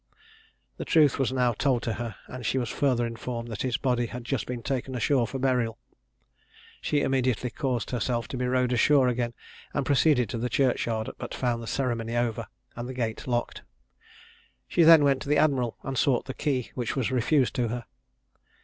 The truth was now told to her, and she was further informed that his body had just been taken ashore for burial. She immediately caused herself to be rowed ashore again, and proceeded to the churchyard, but found the ceremony over, and the gate locked. She then went to the admiral and sought the key, which was refused to her.